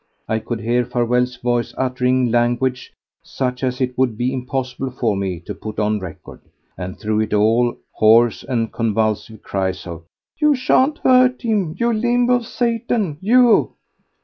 I could hear Farewell's voice uttering language such as it would be impossible for me to put on record; and through it all hoarse and convulsive cries of: "You shan't hurt him—you limb of Satan, you!"